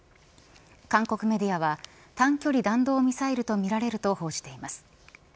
韓国メディアは短距離弾道ミサイルとみられると報じています。